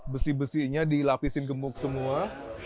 besi besinya dilapisin gemuk semua